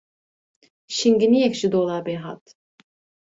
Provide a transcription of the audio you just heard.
Şingîniyek ji dolabê hat.